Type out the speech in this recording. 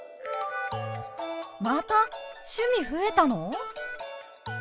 また趣味増えたの！？